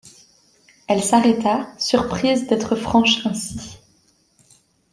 Elle s'arrêta, surprise d'être franche ainsi.